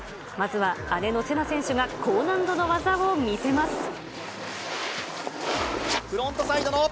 まずは姉のせな選手が高難度の技を見せます。